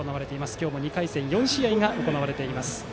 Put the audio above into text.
今日も２回戦４試合が行われています。